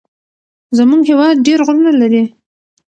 زمونږ هيواد ډير غرونه لري.